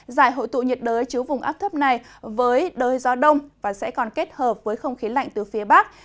giải hội tụ nhiệt đới chứa vùng áp thấp này với đới gió đông và sẽ còn kết hợp với không khí lạnh từ phía bắc